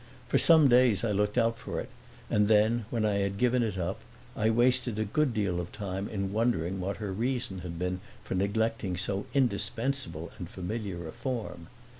For some days I looked out for it and then, when I had given it up, I wasted a good deal of time in wondering what her reason had been for neglecting so indispensable and familiar a form.